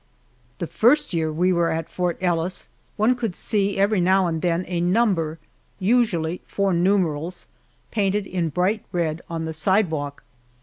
The first year we were at Fort Ellis one would see every now and then a number, usually four numerals, painted in bright red on the sidewalk.